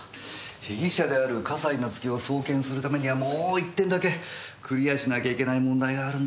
被疑者である笠井夏生を送検するためにはもう１点だけクリアしなきゃいけない問題があるんですよ。